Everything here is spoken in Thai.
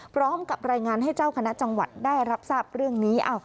พร้อมกับรายงานให้เจ้าคณะจังหวัดได้รับทราบเรื่องนี้